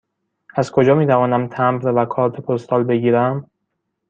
از کجا می توانم تمبر و کارت پستال بگیرم؟